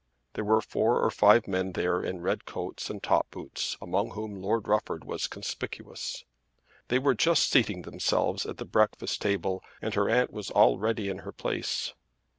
There were four or five men there in red coats and top boots, among whom Lord Rufford was conspicuous. They were just seating themselves at the breakfast table, and her aunt was already in her place.